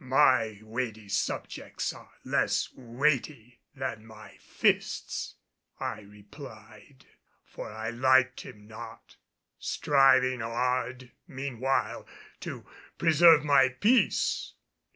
"My weighty subjects are less weighty than my fists," I replied, for I liked him not, striving hard meanwhile to preserve my peace.